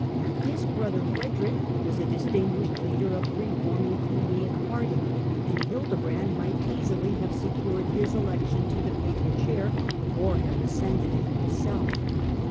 His brother Frederick was a distinguished leader of the reforming Glugniac party, and Hildebrand might easily have secured his election to the papal chair, or have ascended it himself.